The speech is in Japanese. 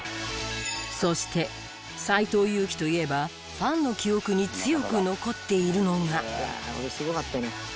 そして斎藤佑樹といえばファンの記憶に強く残っているのが。